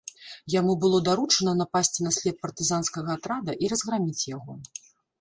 Яму было даручана напасці на след партызанскага атрада і разграміць яго.